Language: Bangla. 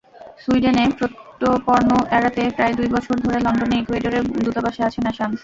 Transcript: সুইডেনে প্রত্যর্পণ এড়াতে প্রায় দুই বছর ধরে লন্ডনে ইকুয়েডরের দূতাবাসে আছেন অ্যাসাঞ্জ।